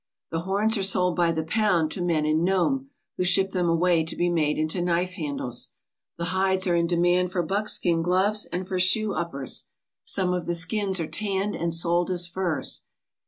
The horns are sold by the pound to men in Nome, who ship them away to be made into knife handles. The hides are in demand for buckskin gloves and for shoe uppers. Some of the skins are tanned and sold as furs.